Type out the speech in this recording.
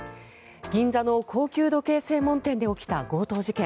銀座の高級時計専門店で起きた強盗事件。